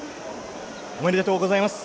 おめでとうございます。